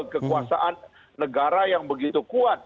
kekuasaan negara yang begitu kuat